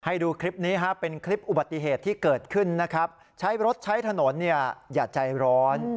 ให้ดูคลิปนี้เป็นคลิปอุบัติเหตุที่เกิดขึ้นใช้รถใช้ถนนอย่าใจร้อน